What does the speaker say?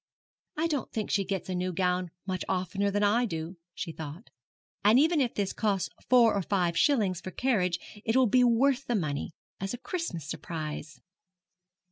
'I don't think she gets a new gown much oftener than I do,' she thought; 'and even if this costs four or five shillings for carriage it will be worth the money, as a Christmas surprise.'